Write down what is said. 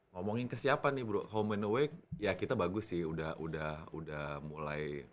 ngomongin ke siapa nih bro home and away ya kita bagus sih udah mulai